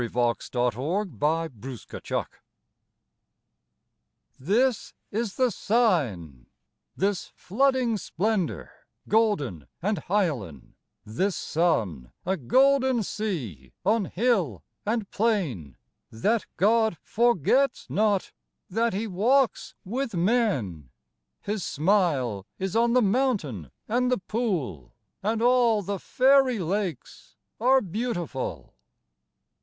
INDIAN SUMMER 43 INDIAN SUMMER This is the sign I THIS flooding splendour, golden and hyaline, This sun a golden sea on hill and plain, That God forgets not, that He walks with men. His smile is on the mountain and the pool And all the fairy lakes are beautiful.